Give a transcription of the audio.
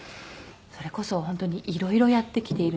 それこそ本当にいろいろやってきているので。